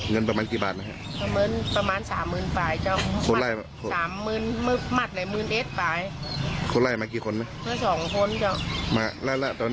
งั้นประมาณกี่บาทนะครับประมาณ๓๐๐๐๐พายเปล่า